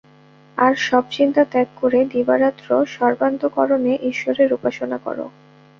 আর সব চিন্তা ত্যাগ করে দিবারাত্র সর্বান্তঃকরণে ঈশ্বরের উপাসনা কর।